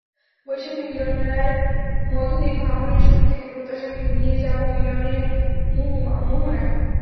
বৈশাখী মিলনমেলার মধ্য দিয়ে ভাঙনের সুর থেকে প্রত্যাশাকে নিয়ে যাব মিলনের মোহনায়।